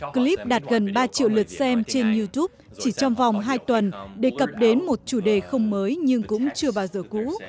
clip đạt gần ba triệu lượt xem trên youtube chỉ trong vòng hai tuần đề cập đến một chủ đề không mới nhưng cũng chưa bao giờ cũ